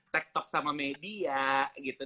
tektok sama media gitu